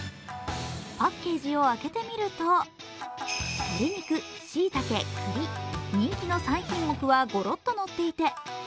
パッケージを開けてみると鶏肉、しいたけ、くり、人気の３品目はゴロッとのっていて